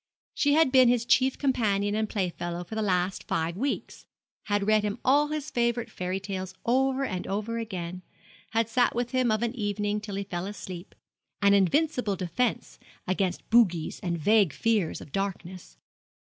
She had been his chief companion and playfellow for the last five weeks, had read him all his favourite fairy tales over and over again, had sat with him of an evening till he fell asleep, an invincible defence against bogies and vague fears of darkness.